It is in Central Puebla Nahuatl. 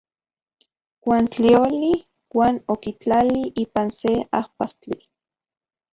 Uan tlioli uan okitlali ipan se ajpastli.